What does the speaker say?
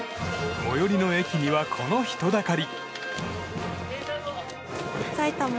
最寄りの駅には、この人だかり。